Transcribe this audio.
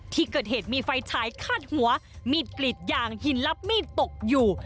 ที่เกิดเหตุมีไฟฉายคาดหัวมีดกรีดยางหินลับมีดตกอยู่